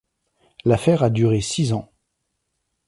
L'affaire a duré six ans.